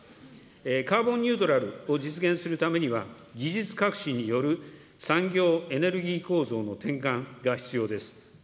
カーボンニュートラルを実現するためには、技術革新による産業、エネルギー構造の転換が必要です。